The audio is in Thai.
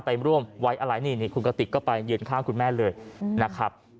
ไปร่วมไว้อะไรนี่คุณกระติกก็ไปยืนข้างคุณแม่เลยนะครับ